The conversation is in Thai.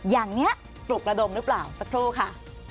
อย่างนี้ปลุกระดมหรือเปล่าสักครู่ค่ะ